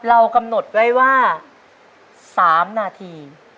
เรากำหนดไว้ว่า๓นาที